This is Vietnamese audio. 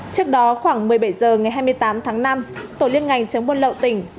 trước đó khoảng một mươi bảy h ngày hai mươi tám tháng năm tổ liên ngành chống buôn lậu tỉnh